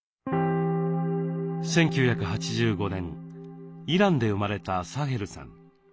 １９８５年イランで生まれたサヘルさん。